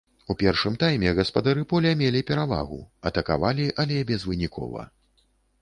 У першым тайме гаспадары поля мелі перавагу, атакавалі, але безвынікова.